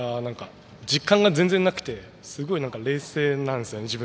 実感が全然なくてすごい冷静なんですよね